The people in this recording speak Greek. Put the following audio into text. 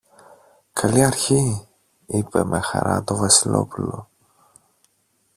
Καλή αρχή! είπε με χαρά το Βασιλόπουλο.